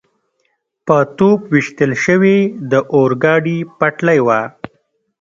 په توپ ویشتل شوې د اورګاډي پټلۍ وه.